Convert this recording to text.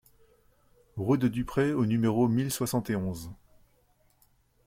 Route de Dupré au numéro mille soixante et onze